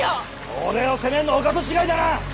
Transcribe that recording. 俺を責めるのはお門違いだな！